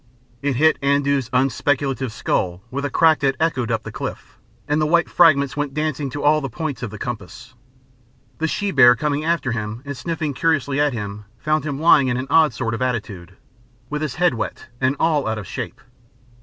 It hit Andoo's unspeculative skull with a crack that echoed up the cliff, and the white fragments went dancing to all the points of the compass. The she bear coming after him and sniffing curiously at him, found him lying in an odd sort of attitude, with his head wet and all out of shape.